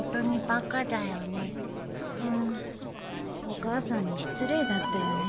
お母さんに失礼だったよね。